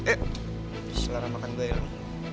eh selera makan gue hilang